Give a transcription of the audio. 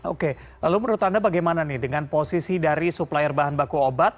oke lalu menurut anda bagaimana nih dengan posisi dari supplier bahan baku obat